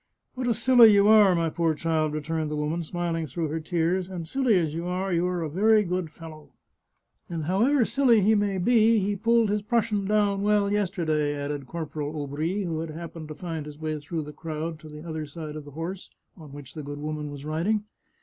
" What a silly you are, my poor child !" returned the woman, smiling through her tears ;" and silly as you are, you are a very good fellow." " And however silly he may be, he pulled his Prussian 60 The Chartreuse of Parma down well yesterday," added Corporal Aubry, who had hap pened to find his way through the crowd to the other side of the horse on which the good woman was riding.